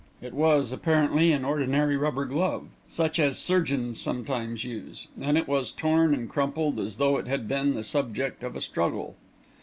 It was, apparently, an ordinary rubber glove, such as surgeons sometimes use, and it was torn and crumpled, as though it had been the subject of a struggle.